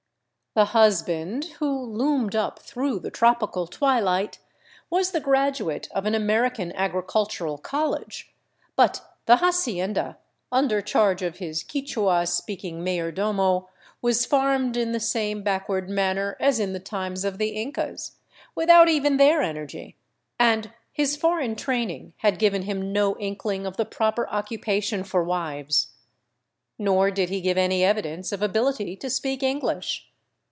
The husband, who loomed up through the tropical twilight, was the graduate of an American agricultural college; but the hacienda, under charge of his Quichua speaking mayordomo, was farmed in the same backward manner as in the times of the Incas, without even their energy, and his foreign training had given him no inkling of the proper occupation for wives. Nor did he give any evidence of ability to speak English.